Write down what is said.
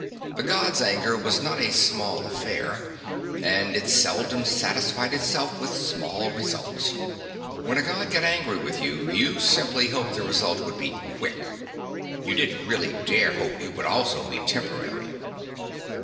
The Gods' anger was not a small affair, and it seldom satisfied itself with small results. When a God got angry with you, you simply hoped the result would be quick. You didn't really dare hope it would also be temporary.